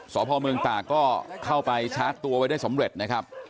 สพเมืองตากก็เข้าไปชาร์จตัวไว้ได้สำเร็จนะครับ